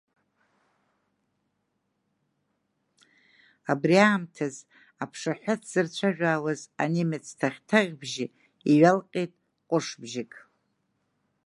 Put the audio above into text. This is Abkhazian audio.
Абри аамҭазы, аԥшаҳәа ҭзырцәажәаауаз анемец тәаӷь-тәаӷь бжьы иҩалҟьеит ҟәыж бжьык…